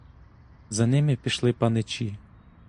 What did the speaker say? За ними пішли паничі.